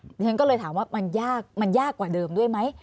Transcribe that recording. เพราะฉะนั้นก็เลยถามว่ามันยากกว่าเดิมด้วยไหม